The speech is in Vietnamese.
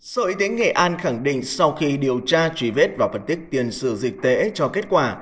sở y tế nghệ an khẳng định sau khi điều tra truy vết và phân tích tiền sử dịch tễ cho kết quả